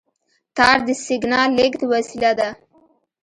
تار د سیګنال لېږد وسیله ده.